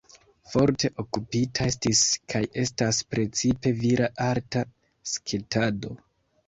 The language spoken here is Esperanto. Forte okupita estis kaj estas precipe vira arta sketado.